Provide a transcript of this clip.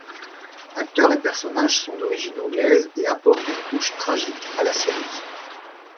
Acteurs et personnages sont d'origine anglaise et apportent une touche tragique à la série.